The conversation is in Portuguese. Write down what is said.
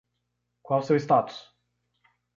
Qual o seu status?